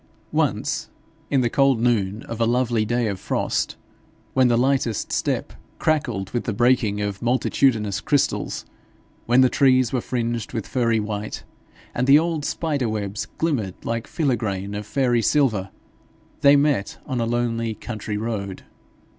Once, in the cold noon of a lovely day of frost, when the lightest step crackled with the breaking of multitudinous crystals, when the trees were fringed with furry white, and the old spider webs glimmered like filigrane of fairy silver, they met on a lonely country road.